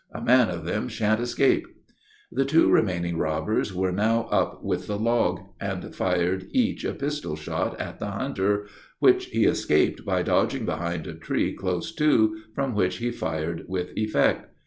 A man of them shan't escape." The two remaining robbers were now up with the log, and fired each a pistol shot at the hunter, which he escaped by dodging behind a tree close to, from which he fired with effect.